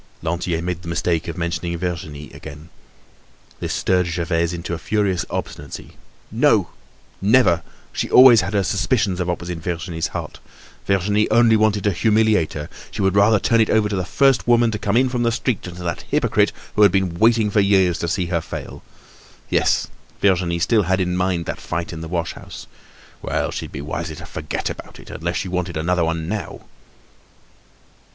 Lantier made the mistake of mentioning Virginie again. This stirred Gervaise into furious obstinacy. No! Never! She had always had her suspicions of what was in Virginie's heart. Virginie only wanted to humiliate her. She would rather turn it over to the first woman to come in from the street than to that hypocrite who had been waiting for years to see her fail. Yes, Virginie still had in mind that fight in the wash house. Well, she'd be wiser to forget about it, unless she wanted another one now.